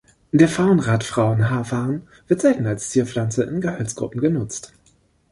Der Pfauenrad-Frauenhaarfarn wird selten als Zierpflanze in Gehölzgruppen genutzt.